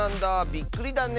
びっくりだねえ。